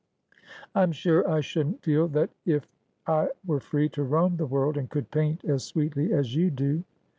' I'm sure I shouldn't feel that if I were free to roam the world, and could paint as sweetly as you do.'